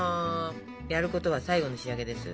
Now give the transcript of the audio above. やることは最後の仕上げです。